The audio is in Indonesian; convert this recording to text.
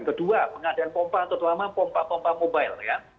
kedua pengadaan pompa terutama pompa pompa mobile ya